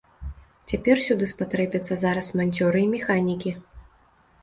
Цяпер сюды спатрэбяцца зараз манцёры і механікі.